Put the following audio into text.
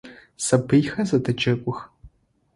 Сабыйхэр зэдэджэгух.